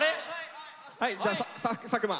はいじゃあ作間。